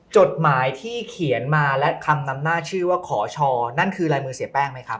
จดหมายที่เขียนมาและคำนำหน้าชื่อว่าขอชอนั่นคือลายมือเสียแป้งไหมครับ